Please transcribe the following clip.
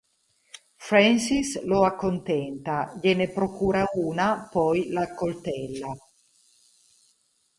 Frances lo accontenta, gliene procura una, poi l'accoltella.